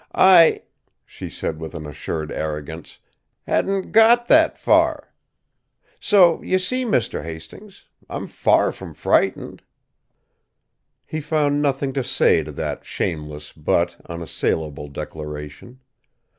I," she said with an assured arrogance, "hadn't got that far. So, you see, Mr. Hastings, I'm far from frightened." He found nothing to say to that shameless but unassailable declaration.